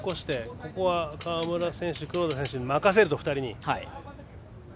ここは川村選手、黒田選手の２人に任せると。